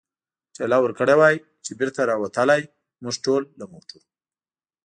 ټېله ورکړې وای، چې بېرته را وتلای، موږ ټول له موټرو.